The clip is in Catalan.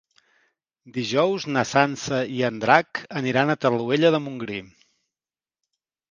Dijous na Sança i en Drac aniran a Torroella de Montgrí.